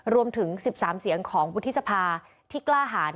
รวมถึง๑๓เสียงของวุฒิสภาที่กล้าหาร